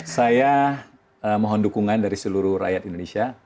saya mohon dukungan dari seluruh rakyat indonesia